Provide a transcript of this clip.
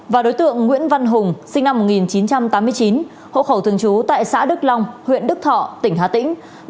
và đối tượng nguyễn văn hùng sinh năm một nghìn chín trăm tám mươi chín hộ khẩu thường trú tại xã đức long huyện đức thọ tỉnh hà tĩnh